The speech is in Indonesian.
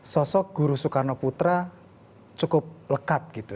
sosok guru soekarno putra cukup lekat gitu